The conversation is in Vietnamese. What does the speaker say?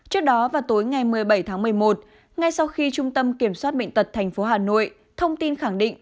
trước đó vào tối ngày một mươi bảy tháng một mươi một ngay sau khi trung tâm kiểm soát bệnh tật tp hà nội thông tin khẳng định